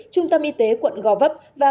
trung tâm y tế quận gò vấp